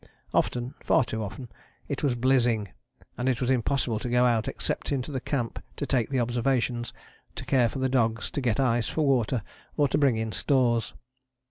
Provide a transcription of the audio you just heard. Often, far too often, it was blizzing, and it was impossible to go out except into the camp to take the observations, to care for the dogs, to get ice for water or to bring in stores.